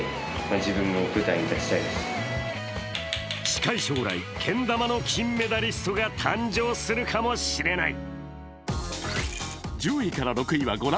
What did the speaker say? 近い将来、けん玉の金メダリストが誕生するかもしれない。